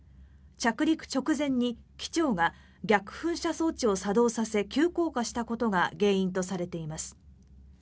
着陸直前に機長が逆噴射装置を作動させ急降下したことが原因とされています。